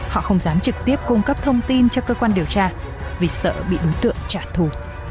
họ không dám trực tiếp cung cấp thông tin cho cơ quan điều tra vì sợ bị đối tượng trả thù